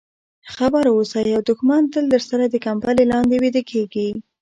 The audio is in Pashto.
خبر واوسه یو دښمن تل درسره د کمپلې لاندې ویده کېږي.